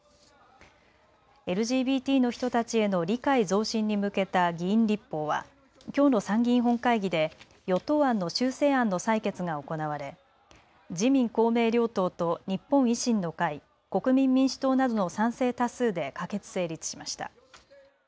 ＬＧＢＴの人たちへの理解増進に向けた議員立法はきょうの参議院本会議で与党案の修正案の採決が行われ自民公明両党と日本維新の会、国民民主党などの賛成多数で可決・成立しました。